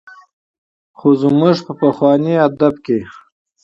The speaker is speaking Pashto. خو زموږ په کلاسيک ادب کې